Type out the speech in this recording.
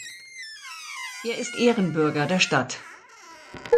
Er ist Ehrenbürger der Stadt.